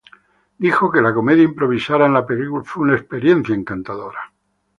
Dijo que la comedia improvisada en la película fue una "experiencia encantadora".